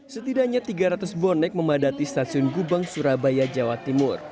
setidaknya tiga ratus bonek memadati stasiun gubeng surabaya jawa timur